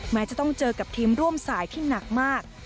แม้จะต้องเจอกับทีมร่วมสายที่หนักมาก